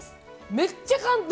めっちゃ簡単！